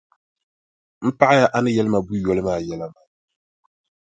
M paɣiya a ni yɛli ma buʼ yoli maa yɛla maa.